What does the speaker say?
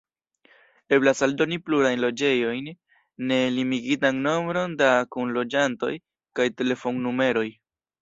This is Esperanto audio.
Eblas aldoni plurajn loĝejojn, ne limigitan nombron da kunloĝantoj kaj telefonnumeroj.